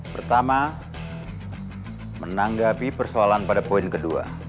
pertama menanggapi persoalan pada poin kedua